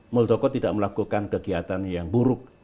muldoko tidak melakukan kegiatan yang buruk